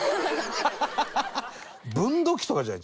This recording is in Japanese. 分度器とかじゃない？